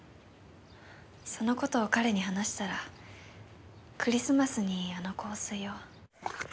その事を彼に話したらクリスマスにあの香水を。